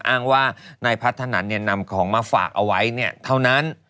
อ้างว่านายพัฒนันนำของมาฝากเอาไว้เท่านั้น